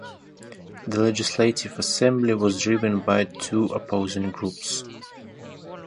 The Legislative Assembly was driven by two opposing groups.